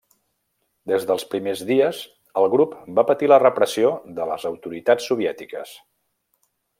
Des dels primers dies el grup va patir la repressió de les autoritats soviètiques.